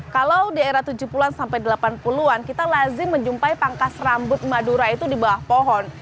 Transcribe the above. kalau di era tujuh puluh an sampai delapan puluh an kita lazim menjumpai pangkas rambut madura itu di bawah pohon